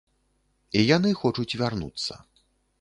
І яны хочуць вярнуцца.